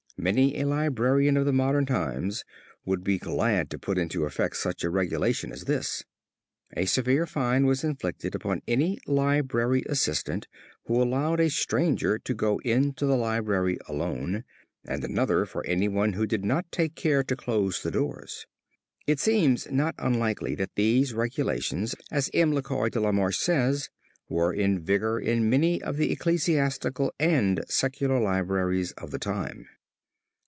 Many a librarian of the modern times would be glad to put into effect such a regulation as this. A severe fine was inflicted upon any library assistant who allowed a stranger to go into the library alone, and another for anyone who did not take care to close the doors. It seems not unlikely that these regulations, as M. Lecoy de la Marche says, were in vigor in many of the ecclesiastical and secular libraries of the time.